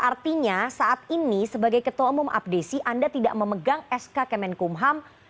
artinya saat ini sebagai ketua umum apdesi anda tidak memegang sk kemenkumham